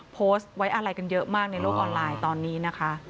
โพสต์ไว้อะไรกันเยอะมากในโลกออนไลน์ตอนนี้นะคะ